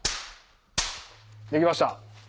できました。